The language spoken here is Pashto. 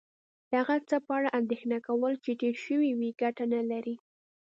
د هغه څه په اړه اندېښنه کول چې تیر شوي وي کټه نه لرې